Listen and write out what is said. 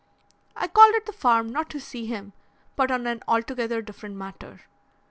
I called at the farm, not to see him, but on an altogether different matter.